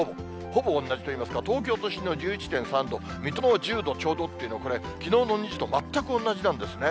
ほぼ同じといいますか、東京都心の１１．３度、水戸の１０度ちょうどっていうのは、これ、きのうの２時と全く同じなんですね。